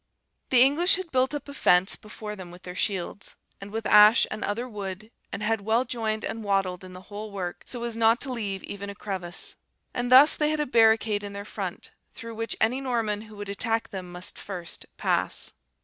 "The English had built up a fence before them with their shields, and with ash and other wood; and had well joined and wattled in the whole work, so as not to leave even a crevice; and thus they had a barricade in their front, through which any Norman who would attack them must first pass.